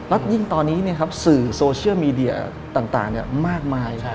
แล้วยิ่งตอนนี้สื่อโซเชียลมีเดียต่างมากมาย